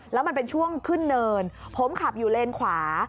แล้วมันเป็นช่วงขึ้นเนินผมขับอยู่เลนขวา